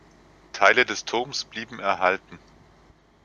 Teile des Turms blieben erhalten.